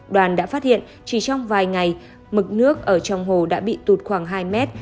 đoàn đã phát hiện chỉ trong vài ngày mực nước ở trong hồ đã bị tụt khoảng hai mét